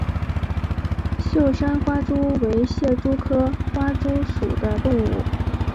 秀山花蛛为蟹蛛科花蛛属的动物。